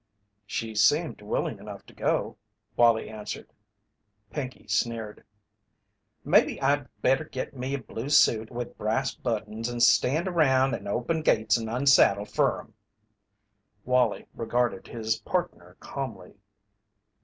"She seemed willing enough to go," Wallie answered. Pinkey sneered: "Mebbe I'd better git me a blue suit with brass buttons and stand around and open gates and unsaddle fer 'em." Wallie regarded his partner calmly.